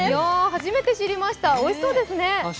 初めて知りました、おいしそうですね。